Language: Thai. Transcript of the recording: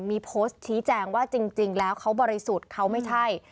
มีโพสต์ชี้แจงว่าจริงแล้วเขาบริสุทธิ์เขาไม่ใช่